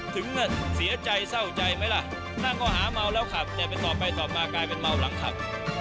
เสียใจเศร้าใจไหมล่ะตั้งข้อหาเมาแล้วขับแต่ไปสอบไปสอบมากลายเป็นเมาหลังขับ